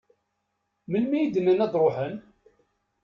Melmi i d-nnan ad d-ruḥen?